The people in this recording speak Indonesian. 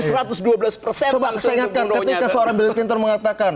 coba saya ingatkan ketika seorang belakang pintar mengatakan